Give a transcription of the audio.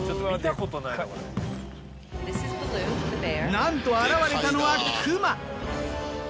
なんと現れたのはクマ。